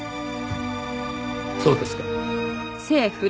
そうですか。